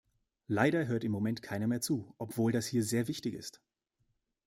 Leider hört im Moment keiner mehr zu, obwohl das hier sehr wichtig ist.